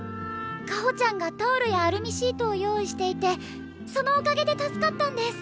香穂ちゃんがタオルやアルミシートを用意していてそのおかげで助かったんです。